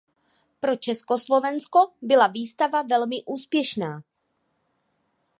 Pro Československo byla výstava velmi úspěšná.